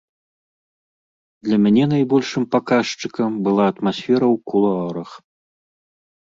Для мяне найбольшым паказчыкам была атмасфера ў кулуарах.